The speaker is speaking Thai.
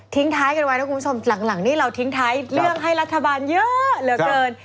ท้ายกันไว้นะคุณผู้ชมหลังนี้เราทิ้งท้ายเรื่องให้รัฐบาลเยอะเหลือเกิน